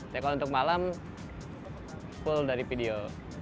ya kalau untuk malam full dari video